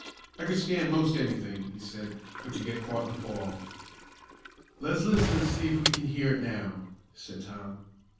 "I could stan' most any thing," he said, "but to get caught in a 'fall.'" "Le's listen an' see if we can hear it now," said Tom.